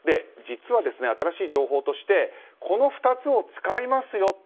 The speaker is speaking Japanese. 実は、新しい情報としてこの２つを使いますよ